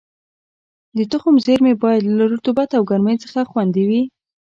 د تخم زېرمې باید له رطوبت او ګرمۍ څخه خوندي وي.